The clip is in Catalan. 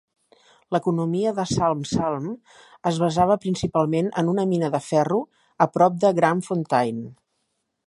L'economia de Salm-Salm es basava principalment en una mina de ferro a prop de Grandfontaine.